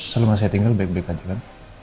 selama saya tinggal baik baik aja kan